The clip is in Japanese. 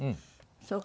そうか。